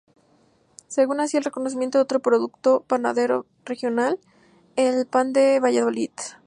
Seguía así al reconocimiento de otro producto panadero regional, el Pan de Valladolid.